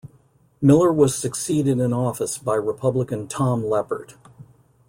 Miller was succeeded in office by Republican Tom Leppert.